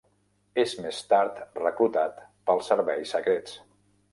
És més tard reclutat pels serveis secrets.